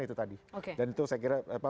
itu tadi dan itu saya kira